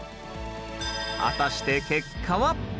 果たして結果は？